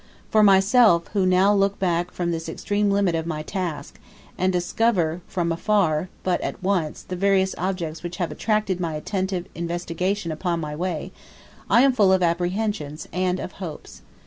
For myself, who now look back from this extreme limit of my task, and discover from afar, but at once, the various objects which have attracted my more attentive investigation upon my way, I am full of apprehensions and of hopes.